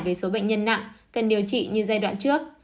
về số bệnh nhân nặng cần điều trị như giai đoạn trước